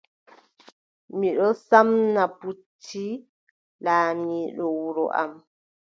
Mi ɗon samna pucci laamiiɗo wuro am.